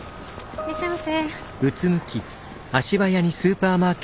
いらっしゃいませ。